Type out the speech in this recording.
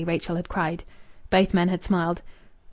Rachel had cried. Both men had smiled.